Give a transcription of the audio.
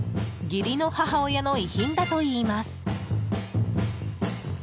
義理の母親の遺品だといいます。